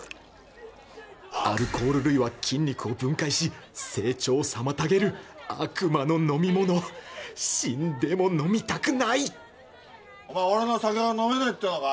アルコール類は筋肉を分解し成長を妨げる悪魔の飲み物死んでも飲みたくないお前俺の酒が飲めねえってのか！？